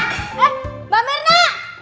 eh mbak mirna